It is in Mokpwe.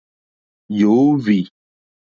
Yǒhwì.